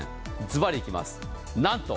ずばりいきます、何と。